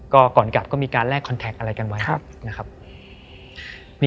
ก่อนกลับก็มีการแลกคอนแท็กอะไรกันไว้นะครับ